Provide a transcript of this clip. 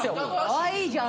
かわいいじゃん。